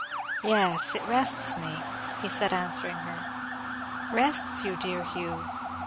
"Yes, it rests me," he said, answering her. "Rests you, dear Hugh!